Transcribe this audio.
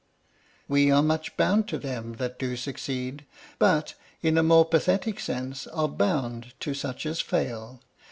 We are much bound to them that do succeed; But, in a more pathetic sense, are bound To such as fail.